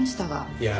いや。